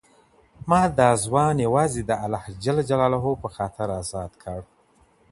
ما دا ځوان یوازې د الله په خاطر ازاد کړ.